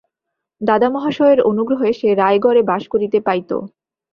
দাদামহাশয়ের অনুগ্রহে সে রায়গড়ে বাস করিতে পাইত।